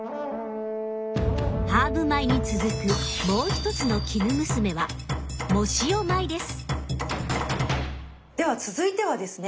ハーブ米に続くもう一つのでは続いてはですね